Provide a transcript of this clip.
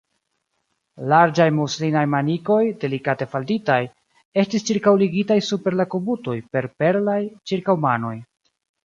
Larĝaj muslinaj manikoj, delikate falditaj, estis ĉirkaŭligitaj super la kubutoj per perlaj ĉirkaŭmanoj.